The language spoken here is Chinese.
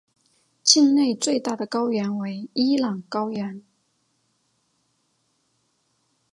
境内最大的高原为伊朗高原。